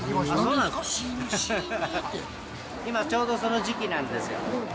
今ちょうどその時期なんですよ。